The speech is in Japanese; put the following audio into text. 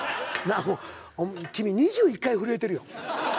君２１回震えてるよ。